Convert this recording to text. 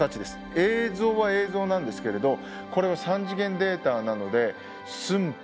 映像は映像なんですけれどこれは３次元データなので寸法